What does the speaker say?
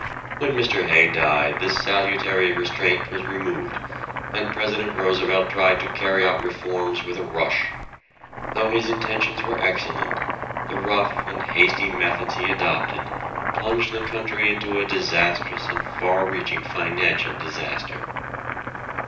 When Mr. Hay died this salutary restraint was removed, and President Roosevelt tried to carry out reforms with a rush. Though his intentions were excellent the rough and hasty methods he adopted plunged the country into a disastrous and far reaching financial disaster.